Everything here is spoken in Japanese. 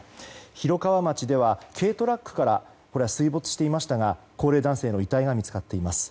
広川町では軽トラックから水没していましたが高齢男性の遺体が見つかっています。